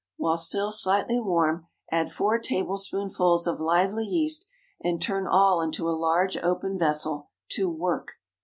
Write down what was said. While still slightly warm, add four tablespoonfuls of lively yeast, and turn all into a large open vessel to "work."